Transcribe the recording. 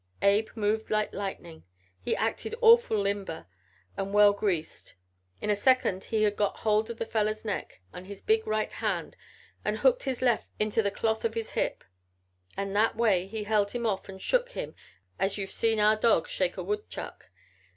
Abe moved like lightning. He acted awful limber an' well greased. In a second he had got hold of the feller's neck with his big right hand and hooked his left into the cloth on his hip. In that way he held him off and shook him as you've seen our dog shake a woodchuck.